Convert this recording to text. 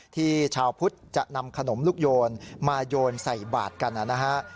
ที่ชาวพุทธจะนำขนมลูกโยนมาโยนใส่บาทกันนะฮะ